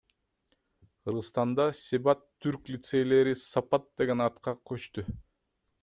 Кыргызстанда Себат түрк лицейлери Сапат деген атка көчтү.